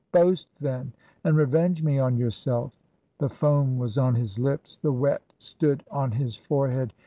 Boast then, and revenge me on yourself.' The foam was on his lips ; the wet stood on his forehead.